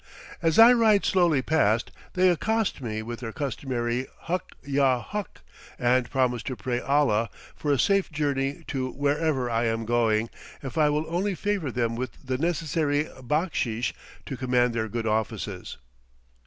As I ride slowly past, they accost me with their customary "huk yah huk," and promise to pray Allah for a safe journey to wherever I am going, if I will only favor them with the necessary backsheesh to command their good offices.